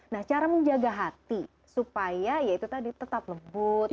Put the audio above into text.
nah cara menjaga hati supaya tetap lembut